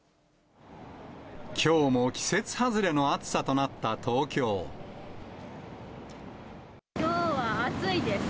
きょうも季節外れの暑さとなきょうは暑いです。